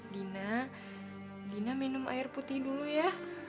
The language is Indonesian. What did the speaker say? dina dina minum air putih dulu ya